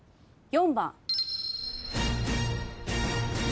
４番。